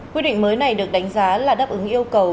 quy định mới này được đánh giá là đáp ứng yêu cầu